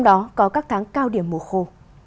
đó có các tháng cao điểm mùa khô